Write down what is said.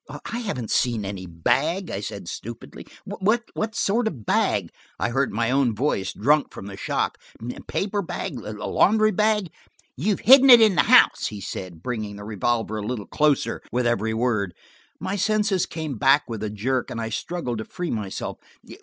"I haven't seen any bag," I said stupidly. "What sort of bag?" I heard my own voice, drunk from the shock. "Paper bag, laundry bag–" "You've hidden it in the house," he said, bringing the revolver a little closer with every word. My senses came back with a jerk and I struggled to free myself.